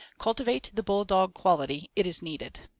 Cultivate the Bull dog quality — it is needed.